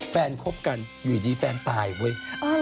คบกันอยู่ดีแฟนตายเว้ย